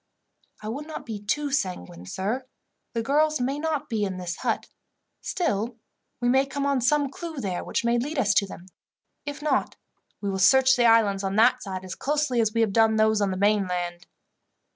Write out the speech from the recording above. "I would not be too sanguine, sir. The girls may not be in this hut, still we may come on some clue there which may lead us to them. If not, we will search the islands on that side as closely as we have done those on the mainland."